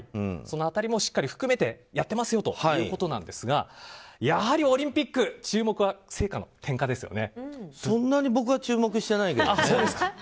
その辺りもしっかり含めてやってますよということなんですがやはりオリンピックそんなに僕は注目していないけどね。